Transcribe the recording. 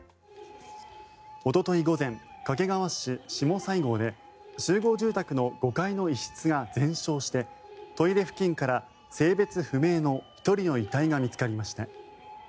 おととい午前、掛川市下西郷で集合住宅の５階の一室が全焼してトイレ付近から性別不明の１人の遺体が見つかりました。